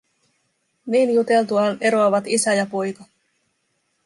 Niin juteltuaan eroavat isä ja poika.